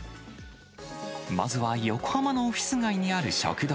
まずは横浜のオフィス街にある食堂。